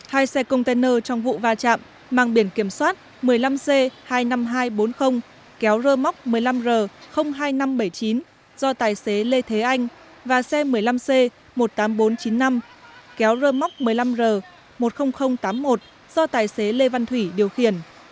hai xe container trong vụ va chạm mang biển kiểm soát một mươi năm c hai mươi năm nghìn hai trăm bốn mươi kéo rơ móc một mươi năm r hai nghìn năm trăm bảy mươi chín do tài xế lê thế anh và xe một mươi năm c một mươi tám nghìn bốn trăm chín mươi năm kéo rơ móc một mươi năm r một mươi nghìn tám mươi một do tài xế lê văn thủy điều khiển